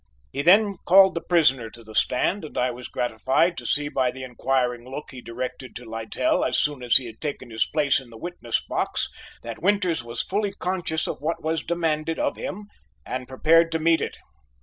He then called the prisoner to the stand, and I was gratified to see by the inquiring look he directed to Littell as soon as he had taken his place in the witness box that Winters was fully conscious of what was demanded of him and prepared to meet it.